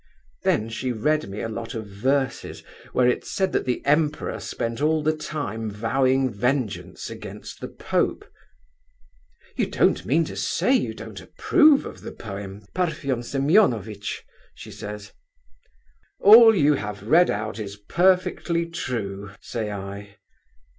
Then she read me a lot of verses, where it said that the Emperor spent all the time vowing vengeance against the Pope. 'You don't mean to say you don't approve of the poem, Parfen Semeonovitch,' she says. 'All you have read out is perfectly true,' say I.